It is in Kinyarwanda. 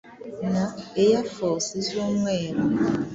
na ‘Air Force’ z’umweru